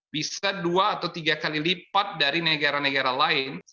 bisa dua atau tiga kali lipat dari negara negara lain